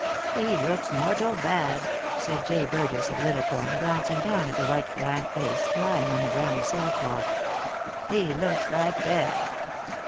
" He looks mortal bad," said J. Burgess of Liddlecomb, glanc ing down at the white blank face lying on the brown sail cloth "He looks like death."